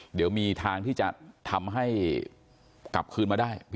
เดี๋ยวมีทางที่จะทำให้กลับคืนมาได้